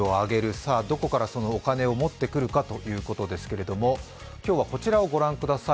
さあ、どこからそのお金を持ってくるかということですけれども、今日はこちらをご覧ください。